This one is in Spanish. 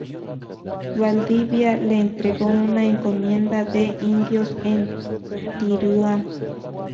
Valdivia le entregó una encomienda de indios en Tirúa.